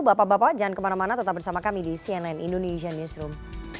bapak bapak jangan kemana mana tetap bersama kami di cnn indonesian newsroom